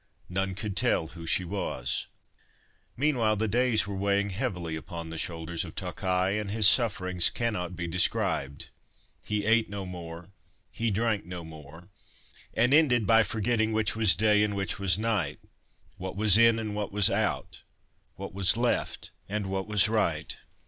None could tell who she was. Meanwhile the days were weighing heavily upon the shoulders of Ta Khai, and his sufferings cannot be described ; he ate no more, he drank no more, and ended by forgetting which was day and which was night, what was in and what was out, what was left and what was right.